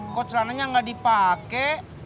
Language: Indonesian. kok celananya gak dipake